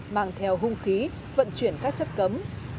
mang theo hung khí vận chuyển các chất cấm